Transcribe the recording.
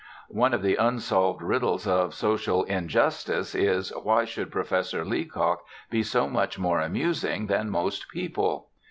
One of the unsolved riddles of social injustice is, why should Professor Leacock be so much more amusing than most people?